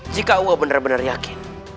jika allah benar benar yakin